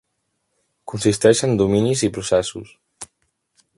Consisteix en dominis i processos.